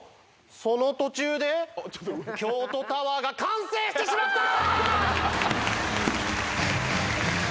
その途中で京都タワーが完成してしまった！